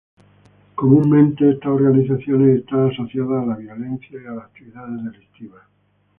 Comúnmente, estas organizaciones están asociadas a la violencia y actividades delictivas.